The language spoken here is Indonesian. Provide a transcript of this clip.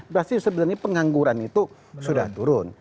berarti sebenarnya pengangguran itu sudah turun